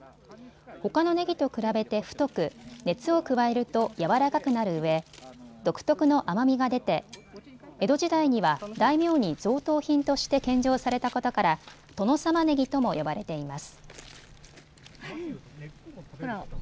ほかのねぎと比べて太く熱を加えるとやわらかくなるうえ独特の甘みが出て江戸時代には大名に贈答品として献上されたことから殿様ねぎとも呼ばれています。